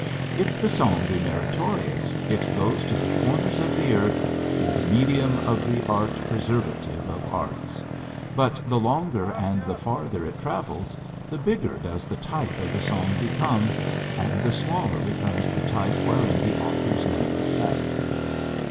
If the song be meritorious it goes to the corners of the earth through the medium of the art preservative of arts, but the longer and the farther it travels the bigger does the type of the song become and the smaller becomes the type wherein the author's name is set.